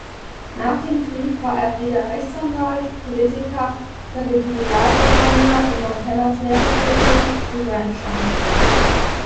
Nach dem Krieg war er wieder Rechtsanwalt, Politiker, Territorialgouverneur im Montana-Territorium und Rancher.